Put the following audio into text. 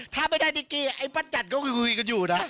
ถ้าไม่ได้นิกกี้ไอ้ปัจจันตร์เรื่องกันอยู่นะ